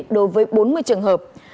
đối với bốn mươi trường hợp